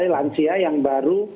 lansia yang baru